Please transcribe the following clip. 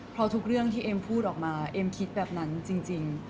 เพราะทุกเรื่องที่เอ็มพูดออกมาเอ็มคิดแบบนั้นจริง